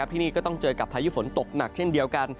ที่นี่ก็ต้องเจอกับพายุฝนตกหนักเช่นเดียวกัน